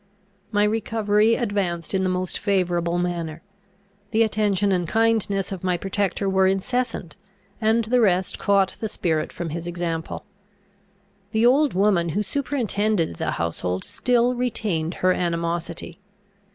My recovery advanced in the most favourable manner. The attention and kindness of my protector were incessant, and the rest caught the spirit from his example. The old woman who superintended the household still retained her animosity.